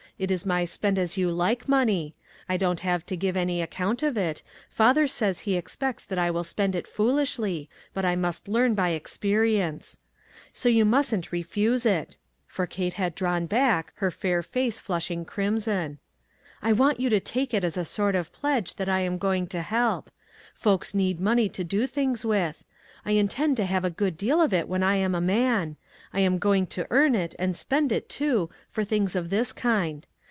It is my spend as you like money. I don't have to give any account of it. Father says he expects that I will spend it foolishly, but I must learn by experience. So you mustn't refuse it," for Kate had 196 ONE COMMONPLACE DAY. drawn back, her fair face flushing crimson. " I want you to take it as a sort of pledge that I am going to help. Folks need money to do things with. I intend to have a good deal of it when I am a man. I am going to earn it, and spend it, too, for things of this kind.